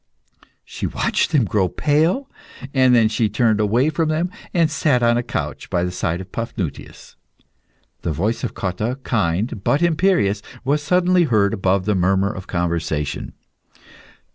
She watched them grow pale, then she turned away from them, and sat on a couch by the side of Paphnutius. The voice of Cotta, kind but imperious, was suddenly heard above the murmur of conversation.